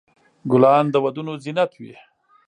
ګلان د ودونو زینت وي.